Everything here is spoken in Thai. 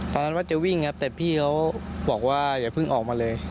ตอนนั้นว่าจะวิ่งครับแต่พี่เขาบอกว่าอย่าเพิ่งออกมาเลย